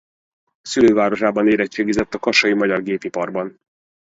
Szülővárosában érettségizett a Kassai Magyar Gépipariban.